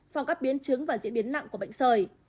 phòng các biến chứng và diễn biến nặng của bệnh sởi